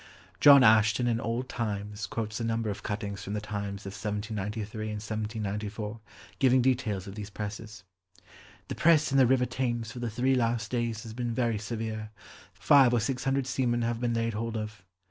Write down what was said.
John Ashton in Old Times quotes a number of cuttings from The Times of 1793 and 1794 giving details of these presses. "The press in the river Thames for the three last days has been very severe. Five or six hundred seamen have been laid hold of."